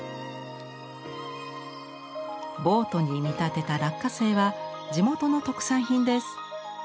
ボートに見立てた落花生は地元の特産品です。